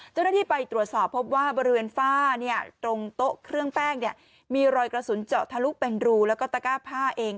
เจ้าหน้าที่ไปตรวจสอบพบว่าบริเวณฝ้าตรงโต๊ะเครื่องแป้งมีรอยกระสุนเจาะทะลุเป็นรูแล้วก็ตะก้าผ้าเอง